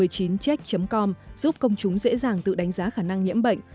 c một mươi chín check com giúp công chúng dễ dàng tự đánh giá khả năng nhiễm bệnh